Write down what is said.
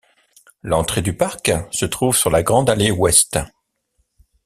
L'entrée du parc se trouve sur la Grande Allée Ouest.